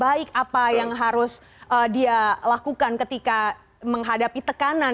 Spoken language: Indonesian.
baik apa yang harus dia lakukan ketika menghadapi tekanan